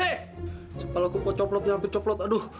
kepala gua kok coplot nyampe coplot aduh